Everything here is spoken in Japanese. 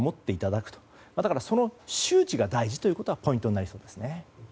だから、その周知が大事ということがポイントになりそうですね。